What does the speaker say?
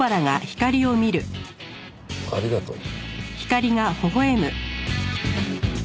ありがとう。